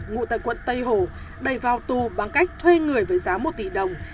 ngụ tại quận tây hồ đầy vào tù bằng cách thuê người với giá một tỷ đồng